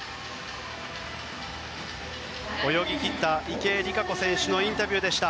泳ぎ切った池江璃花子選手のインタビューでした。